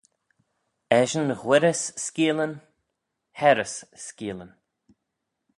Eshyn ghuirrys skeeallyn hayrrys skeeallyn